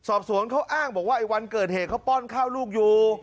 สอบสวนเขาอ้างบอกว่าไอ้วันเกิดเหตุเขาป้อนข้าวลูกอยู่